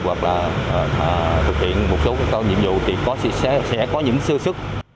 hoặc là thực hiện một số các nhiệm vụ thì sẽ có những sưu sức